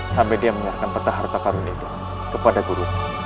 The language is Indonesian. sampai dia menyertakan peta harta karun itu kepada gurumu